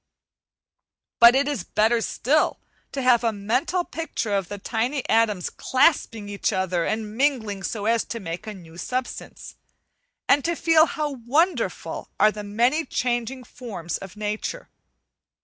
But it is better still to have a mental picture of the tiny atoms clasping each other, and mingling so as to make a new substance, and to feel how wonderful are the many changing forms of nature.